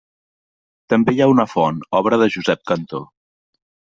També hi ha una font, obra de Josep Cantó.